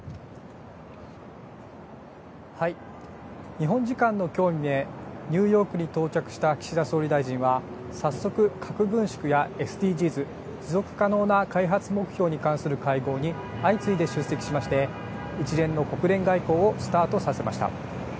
日本時間のきょう未明、ニューヨークに到着した岸田総理大臣は、早速、核軍縮やＳＤＧｓ・持続可能な開発目標に関する会合に相次いで出席しまして、一連の国連外交をスタートさせました。